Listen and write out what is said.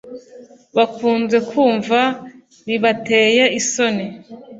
bakunze kumva bibateye isoni,